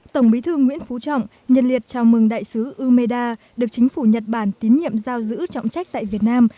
tổng bí thư nguyễn phú trọng nhiệt liệt chào mừng đại sứ umeda được chính phủ nhật bản tín nhiệm giao giữ trọng trách tại việt nam